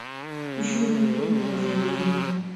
پیشو مې خپلې پنجې وهي.